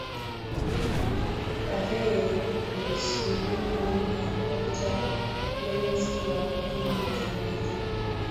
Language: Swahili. Tarehe ishirini na moja mwezi wa kumi na mbili